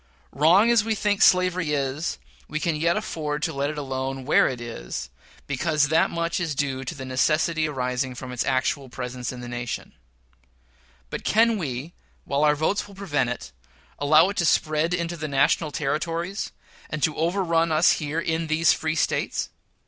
Wrong as we think slavery is, we can yet afford to let it alone where it is, because that much is due to the necessity arising from its actual presence in the nation; but can we, while our votes will prevent it, allow it to spread into the national Territories, and to overrun us here in these free States?